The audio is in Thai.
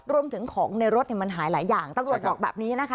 รวมถึงของในรถเนี้ยมันหายหลายอย่างใช่ครับตำรวจบอกแบบนี้นะคะ